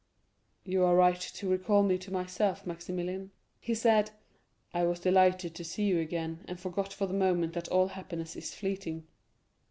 "You are right to recall me to myself, Maximilian," he said; "I was delighted to see you again, and forgot for the moment that all happiness is fleeting."